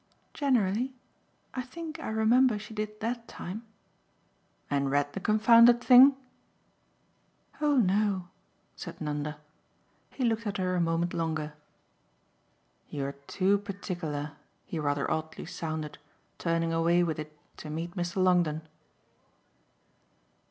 "Generally. I think I remember she did that time." "And read the confounded thing?" "Oh no!" said Nanda. He looked at her a moment longer. "You're too particular!" he rather oddly sounded, turning away with it to meet Mr. Longdon.